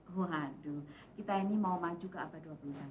oh waduh kita ini mau maju ke abad dua puluh satu